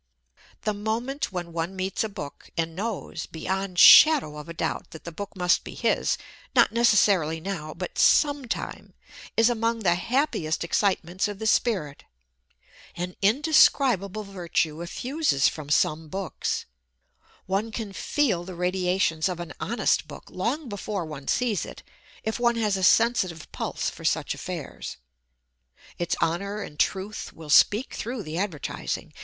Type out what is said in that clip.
The moment when one meets a book and knows, beyond shadow of doubt, that that book must be his not necessarily now, but some time is among the happiest excitements of the spirit. An indescribable virtue effuses from some books. One can feel the radiations of an honest book long before one sees it, if one has a sensitive pulse for such affairs. Its honour and truth will speak through the advertising.